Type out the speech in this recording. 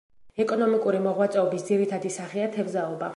ეკონომიკური მოღვაწეობის ძირითადი სახეა თევზაობა.